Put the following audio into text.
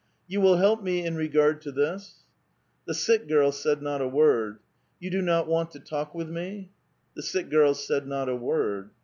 You will help me in regard to this?" The sick girl said not a word. " You do not want to talk with me?" The sick girl said not a word.